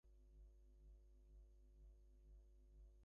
He is known as 'the chameleon' among his acting colleagues.